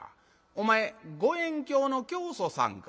お前五円教の教祖さんか。